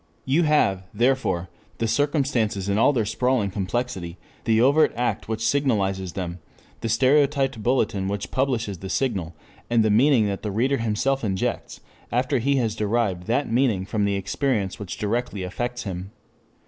You have, therefore, the circumstances in all their sprawling complexity, the overt act which signalizes them, the stereotyped bulletin which publishes the signal, and the meaning that the reader himself injects, after he has derived that meaning from the experience which directly affects him.